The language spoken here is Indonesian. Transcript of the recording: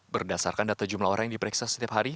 berdasarkan data jumlah orang yang diperiksa setiap hari